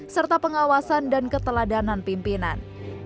serta pengawasan dan keteladanan pimpinan